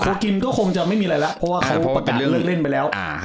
ก่อนเอิ้นก็คงจะไม่มีเล่ะละเพราะว่าไปเลือกเล่นไปแล้ว